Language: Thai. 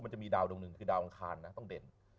มันจะมีดาวดวงหนึ่งคือดาวอังคารนะต้องเด่น